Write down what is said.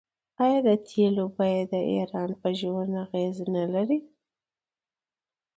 آیا د تیلو بیه د ایران په ژوند اغیز نلري؟